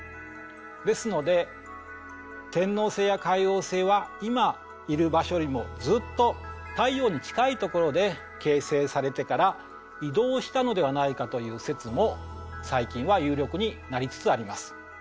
ですので天王星や海王星は今いる場所よりもずっと太陽に近いところで形成されてから移動したのではないかという説も最近は有力になりつつあります。